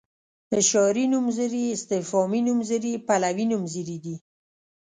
اشاري نومځري استفهامي نومځري پلوي نومځري دي.